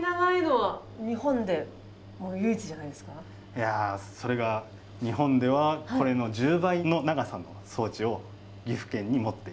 いやそれが日本ではこれの１０倍の長さの装置を岐阜県に持っています。